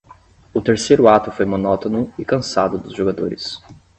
O terceiro ato foi monótono e cansado dos jogadores.